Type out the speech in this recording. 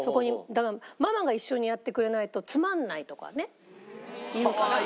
「ママが一緒にやってくれないとつまんない」とかね言うから。